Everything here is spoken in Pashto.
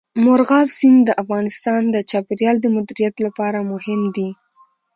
مورغاب سیند د افغانستان د چاپیریال د مدیریت لپاره مهم دي.